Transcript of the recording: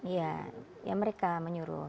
iya yang mereka menyuruh